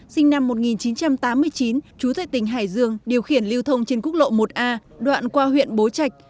sinh năm một nghìn chín trăm tám mươi chín chú thầy tỉnh hải dương điều khiển lưu thông trên quốc lộ một a đoạn qua huyện bố trạch